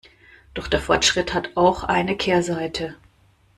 Doch der Fortschritt hat auch eine Kehrseite.